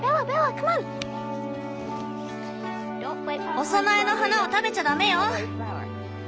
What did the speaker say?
お供えの花を食べちゃダメよ！